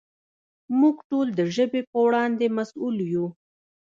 موږ ټول د ژبې په وړاندې مسؤل یو.